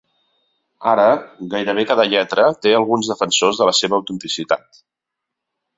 Ara, gairebé cada lletra té alguns defensors de la seva autenticitat.